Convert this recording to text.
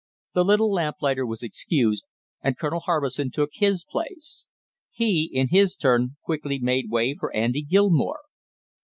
The little lamplighter was excused, and Colonel Harbison took his: place. He, in his turn, quickly made way for Andy Gilmore.